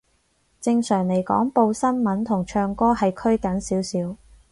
正常嚟講，報新聞同唱歌係拘謹少少